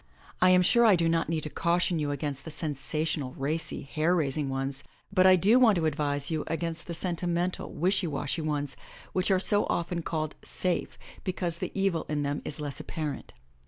I am sure I do not need to caution you against the sensational, racy, hair rais ing ones, but I dp want to advise you against the sentimental, wishy washy ones, which are so often called "safe'* because the evil in them is less apparent.